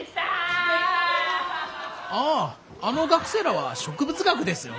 あああの学生らは植物学ですよ。